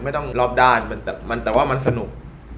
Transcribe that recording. ไม่ต้องรอบด้านแต่ว่ามันสนุก